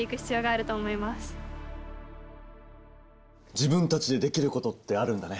自分たちでできることってあるんだね。